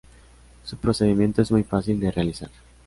Su procedimiento es muy fácil de realizar.